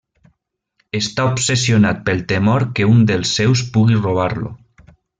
Està obsessionat pel temor que un dels seus pugui robar-lo.